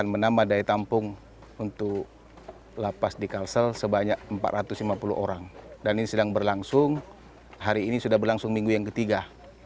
lepas ini sudah berlangsung hari ini sudah berlangsung minggu yang ketiga